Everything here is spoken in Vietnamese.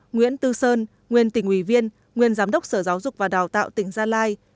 nguyễn tư sơn nguyên tỉnh ủy viên nguyên giám đốc sở giáo dục và đào tạo tỉnh gia lai